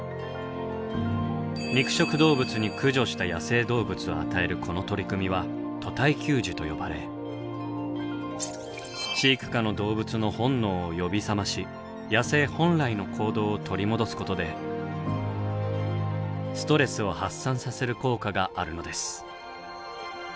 肉食動物に駆除した野生動物を与えるこの取り組みは「屠体給餌」と呼ばれ飼育下の動物の本能を呼び覚まし野生本来の行動を取り戻すことでストレスを発散させる効果があるのです。